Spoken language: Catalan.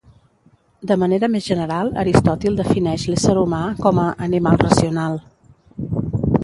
De manera més general, Aristòtil defineix l'ésser humà com a «animal racional».